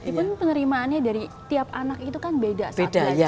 itu penerimaannya dari tiap anak itu kan beda